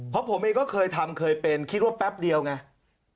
เพราะผมเองก็เคยทำเคยเป็นคิดว่าแป๊บเดียวไง